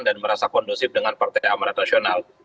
dan merasa kondusif dengan partai amarat nasional